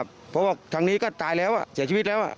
เพราะว่าทางนี้ก็ตายแล้วเสียชีวิตแล้ว